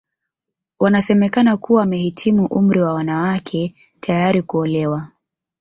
Wanasemekana kuwa wamehitimu umri wa wanawake tayari kuolewa